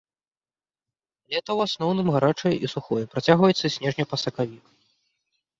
Лета ў асноўным гарачае і сухое, працягваецца з снежня па сакавік.